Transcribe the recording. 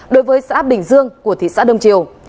đối với xã bình dương của thị xã đông triều